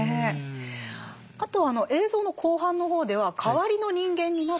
あとあの映像の後半の方では「代わりの人間になる時が」。